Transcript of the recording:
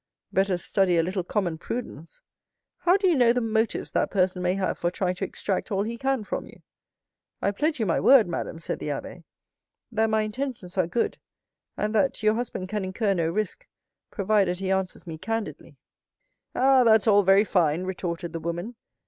Better study a little common prudence. How do you know the motives that person may have for trying to extract all he can from you?" "I pledge you my word, madam," said the abbé, "that my intentions are good; and that your husband can incur no risk, provided he answers me candidly." "Ah, that's all very fine," retorted the woman.